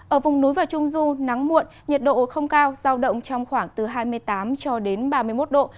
ở vùng núi và trung du nắng muộn nhiệt độ không cao giao động trong khoảng từ hai mươi tám cho đến ba mươi một độ